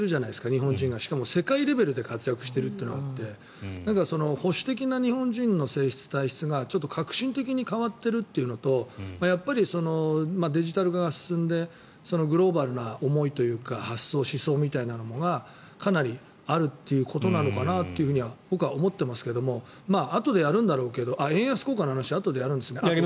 日本人が、しかも世界レベルで活躍してるというのがあって保守的な日本人の性質、体質がちょっと革新的に変わってるというのとやっぱり、デジタル化が進んでグローバルな思いというか発想、思想みたいなものがかなりあるということなのかなとは僕は思ってますけどもあとでやるんだろうけど円安効果の話あとでやるんですね。